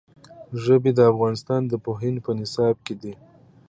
ژبې د افغانستان د پوهنې په نصاب کې دي.